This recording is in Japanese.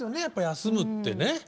やっぱ休むってね。